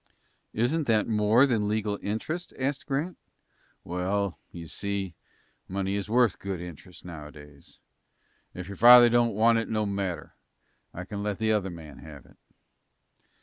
"Isn't that more than legal interest?" asked Grant. "Well, you see, money is worth good interest nowadays. Ef your father don't want it, no matter. I can let the other man have it."